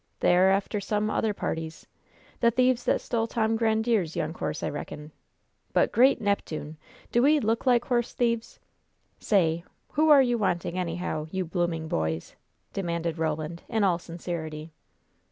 They are after some other parties. The thieves that stole Tom Grandiere's young horse, I reckon. But, great Neptune! do we look like horse thieves? Say! Who are you wanting, anyhow, you blooming boys?" demanded Roland, in all sincerity.